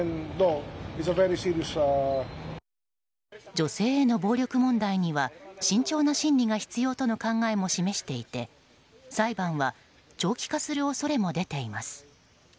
女性への暴力問題には慎重な審理が必要との考えも示していて裁判は長期化する恐れも出ています。